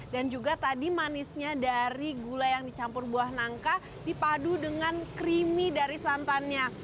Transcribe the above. dan juga tadi manisnya dari gula yang dicampur buah nangka dipadu dengan creamy dari santannya